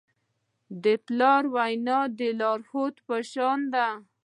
د پلار وینا د لارښود په شان ده.